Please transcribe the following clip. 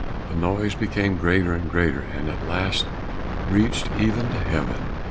The noise became greater and greater, and at last reached even to heaven.